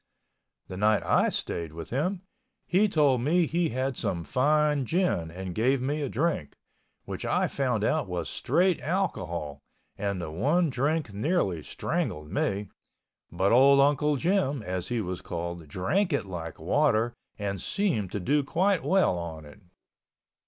The night I stayed with him, he told me he had some fine gin and gave me a drink, which I found out was straight alcohol and the one drink nearly strangled me, but old Uncle Jim, as he was called, drank it like water and seemed to do quite well on it.